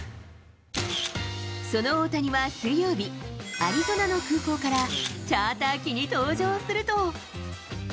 その大谷は水曜日、アリゾナの空港からチャーター機に搭乗すると。